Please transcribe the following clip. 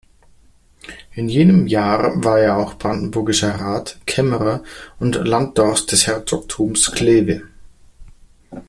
In jenem Jahr war er auch brandenburgischer Rat, Kämmerer und Landdrost des Herzogtums Kleve.